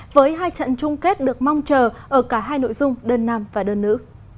với hai trận chung kết được mong chờ ở cả hai nội dung đơn nam và đơn nữ